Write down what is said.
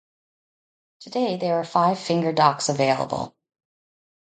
Today, there are five finger docks available.